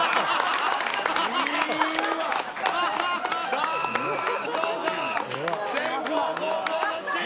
さあ勝者は先攻後攻どっち？